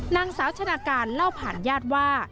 นางสาวชนะการเล่าผ่านญาติว่า